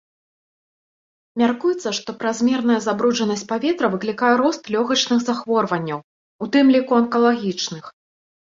Мяркуецца, што празмерная забруджанасць паветра выклікае рост лёгачных захворванняў, у тым ліку анкалагічных.